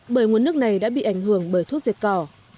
bởi nguồn nước này đã bị ảnh hưởng bởi thuốc diệt cỏ